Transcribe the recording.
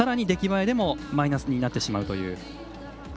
出来栄えでもマイナスになってしまうという。